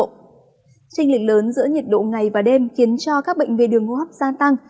trênh lực lớn giữa nhiệt độ ngày và đêm khiến cho các bệnh về đường ngô hấp gia tăng